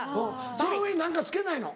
その上に何か付けないの？